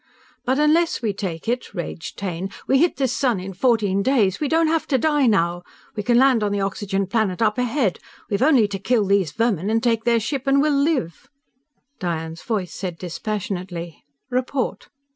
"But unless we take it," raged Taine, "_we hit this sun in fourteen days! We don't have to die now! We can land on the oxygen planet up ahead! We've only to kill these vermin and take their ship, and we'll live!_" Diane's voice said dispassionately: "Report.